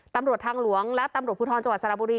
ตำรวจทางหลวงและตำรวจภูทรจังหวัดสระบุรี